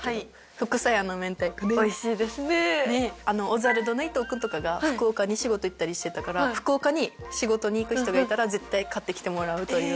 オズワルドの伊藤君とかが福岡に仕事行ったりしてたから福岡に仕事に行く人がいたら絶対買ってきてもらうという。